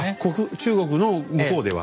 中国の向こうでは。